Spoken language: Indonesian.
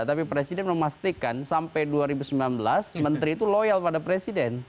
tapi presiden memastikan sampai dua ribu sembilan belas menteri itu loyal pada presiden